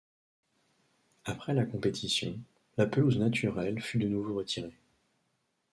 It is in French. Après la compétition, la pelouse naturelle fut de nouveau retirée.